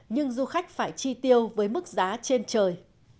nhưng du khách phải chi tiêu với mức giá trên trời